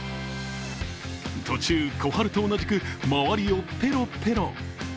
途中、コハルと同じく周りをペロペロ。